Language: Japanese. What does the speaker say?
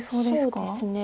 そうですね。